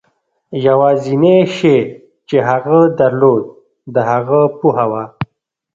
یوازېنی شی چې هغه درلود د هغه پوهه وه.